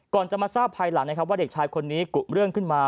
จะมาทราบภายหลังนะครับว่าเด็กชายคนนี้กุเรื่องขึ้นมา